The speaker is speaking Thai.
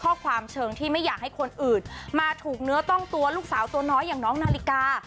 ข้อความเชิงที่ไม่อยากให้คนอื่นมาถูกเนื้อต้องตัวลูกสาวตัวน้อยอย่างน้องนาฬิกา